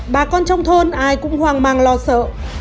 bà con trong thôn ai cũng hoang mang lo sợ